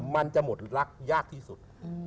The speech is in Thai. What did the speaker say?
มันจะหมดรักยากที่สุด